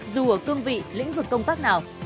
dù ở cương vị lĩnh vực công tác nào